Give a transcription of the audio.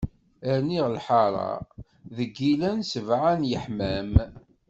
Rniɣ lḥara, deg illan sebɛa n yeḥmam.